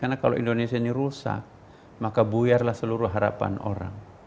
karena kalau indonesia ini rusak maka buyarlah seluruh harapan orang